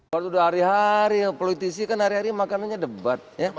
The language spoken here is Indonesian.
waktu udah hari hari politisi kan hari hari makanannya debat